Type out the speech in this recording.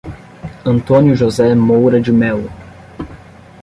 Antônio José Moura de Melo